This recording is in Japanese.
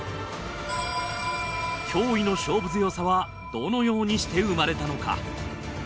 驚異の勝負強さはどのようにして生まれたのか？